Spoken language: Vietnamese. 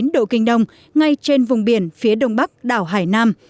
một trăm một mươi chín độ kinh đông ngay trên vùng biển phía đông bắc đảo hải nam